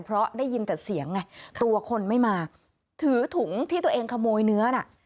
เพราะได้ยินแต่เสียงไงตัวคนไม่มาถือถุงที่ตัวเองขโมยเนื้อน่ะ